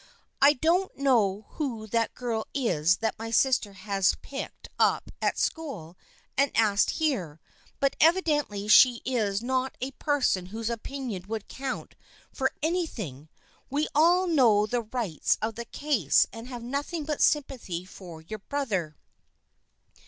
I don't know who that girl is that my sister has picked up at school and asked here, but evidently she is not a person whose opinion would count for any thing. We all know the rights of the case and have nothing but sympathy for your brother."